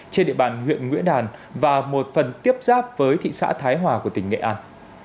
trên địa bàn huyện nghĩa đàn và một phần tiếp giáp với thị xã thái hòa của tỉnh nghệ an